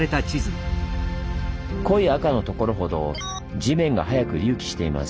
濃い赤のところほど地面が速く隆起しています。